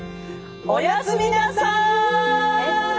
おやすみなさい！